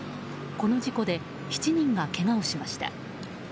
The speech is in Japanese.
この事故で７人がけがをしました。